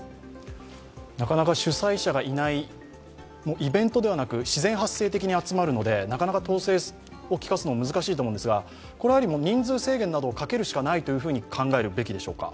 なかなか主催者がいない、イベントではなく自然発生的に集まるのでなかなか統制を効かせるのは難しいと思いますが人数制限などをかけるしかないと考えるべきでしょうか。